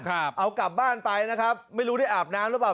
เอากลับบ้านไปนะครับไม่รู้ได้อาบน้ำหรือเปล่า